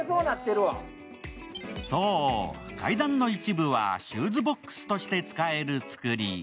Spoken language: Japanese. そう、階段の一部はシューズボックスとして使える作り。